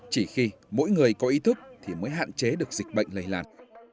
chỉ khi mỗi người có ý thức thì mới hạn chế được dịch bệnh lây lan